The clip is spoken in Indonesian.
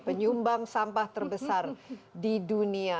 penyumbang sampah terbesar di dunia